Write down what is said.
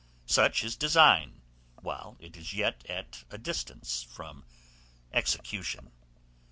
Such is design, while it is yet at a distance from execution.